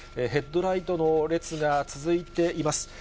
ヘッドライトの列が続いています。